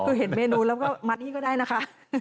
คือเห็นเมนูแล้วก็มัดนี่ก็ได้นะคะ